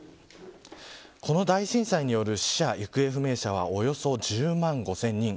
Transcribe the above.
この大震災による死者行方不明者はおよそ１０万５０００人。